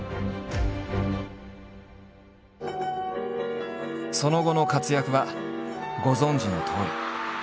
その後の活躍はご存じのとおり。